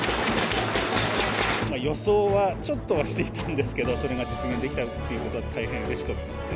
予想はちょっとはしていたんですけど、それが実現できたということは大変うれしく思いますね。